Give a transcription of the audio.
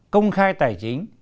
công khai tài chính